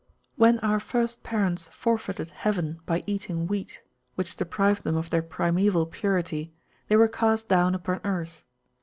When our first parents forfeited Heaven by eating wheat, which deprived them of their primeval purity, they were cast down upon earth.